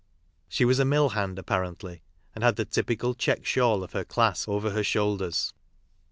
She was a mill hand, apparently, and had the typical check shawl of her class over her shoulders.